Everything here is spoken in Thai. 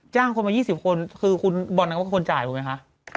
จ้างคนมายี่สิบคนคือคุณบอลนังว่าคนจ่ายรู้ไหมคะ